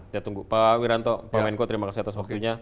kita tunggu pak wiranto pak menko terima kasih atas waktunya